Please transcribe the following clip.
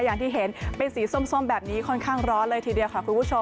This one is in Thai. อย่างที่เห็นเป็นสีส้มแบบนี้ค่อนข้างร้อนเลยทีเดียวค่ะคุณผู้ชม